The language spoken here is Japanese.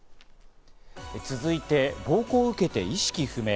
続いて、暴行を受けて意識不明。